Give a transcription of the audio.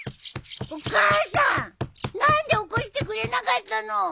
何で起こしてくれなかったの！